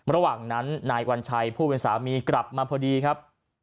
ระหว่างนั้นนายวัญชัยผู้เป็นสามีกลับมาพอดีครับ